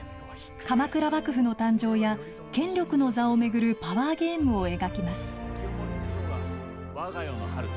鎌倉幕府の誕生や権力の座を巡るパワーゲームを描きます。